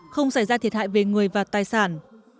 không xảy ra thiệt hại về người và tài sản